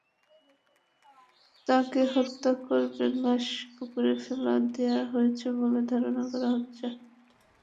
তাকে হত্যা করে লাশ পুকুরে ফেলে দেওয়া হয়েছে বলে ধারণা করা হচ্ছে।